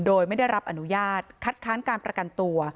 โดยไม่ได้รับอนุญาตคัดค้านการประกันตัว